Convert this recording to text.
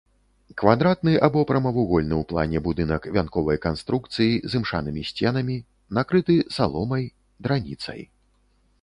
Квадратны або прамавугольны ў плане будынак вянковай канструкцыі з імшанымі сценамі, накрыты саломай, драніцай.